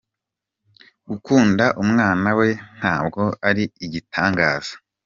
Gukunda umwana we ntabwo ari igitangazaaaaaaaaa.